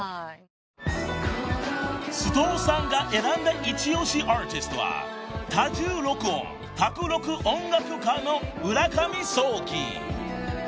［須藤さんが選んだイチオシアーティストは多重録音・宅録音楽家の］